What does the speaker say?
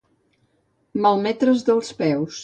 Malmetre's dels peus.